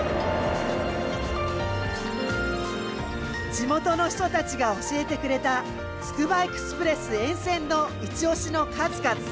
地元の人たちが教えてくれたつくばエクスプレス沿線のいちオシの数々。